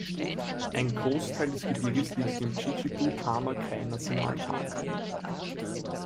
Ein Großteil des Gebirges liegt im Chichibu-Tama-Kai-Nationalpark.